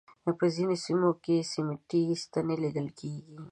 په ځینو سیمو کې سیمټي ستنې لیدل کېږي.